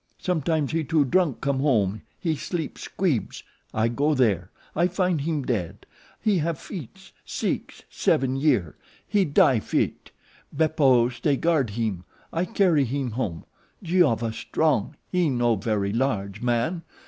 Sometimes he too drunk come home he sleep Squeebs. I go there. I find heem dead. He have fits, six, seven year. He die fit. Beppo stay guard heem. I carry heem home. Giova strong, he no very large man.